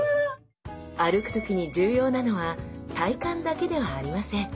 歩く時に重要なのは体幹だけではありません。